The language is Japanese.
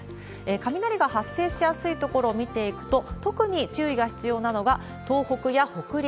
雷が発生しやすい所見ていくと、特に注意が必要なのが、東北や北陸。